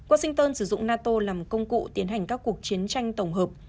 washington sử dụng nato làm công cụ tiến hành các cuộc chiến tranh tổng hợp